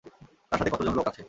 তার সাথে কতজন লোক আছে?